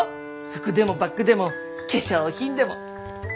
服でもバッグでも化粧品でも。